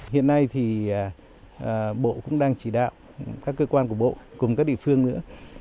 hiện nay thì bộ cũng đang chỉ đạo các cơ quan của bộ cùng các địa phương nữa